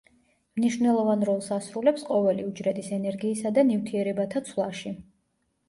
მნიშვნელოვან როლს ასრულებს ყოველი უჯრედის ენერგიისა და ნივთიერებათა ცვლაში.